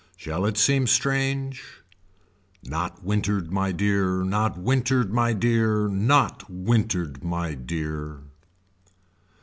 Shall it seem strange. Not wintered my dear. Not wintered my dear. Not wintered my dear.